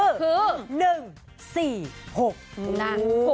๖มาแรงนะ